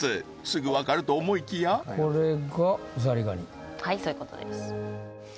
すぐわかると思いきやこれがザリガニはいそういうことです